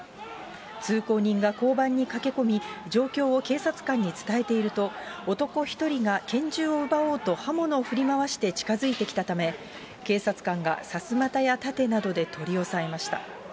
通行人が交番に駆け込み、状況を警察官に伝えていると、男１人が拳銃を奪おうと刃物を振り回して近づいてきたため、警察官がさすまたや盾などで取り押さえました。